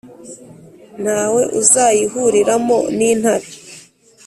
Nta we uzayihuriramo n’intare,